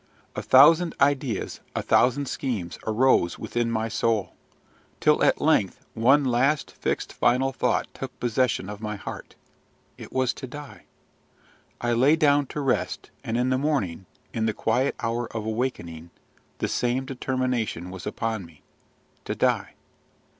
A thousand ideas, a thousand schemes, arose within my soul; till at length one last, fixed, final thought took possession of my heart. It was to die. I lay down to rest; and in the morning, in the quiet hour of awakening, the same determination was upon me. To die!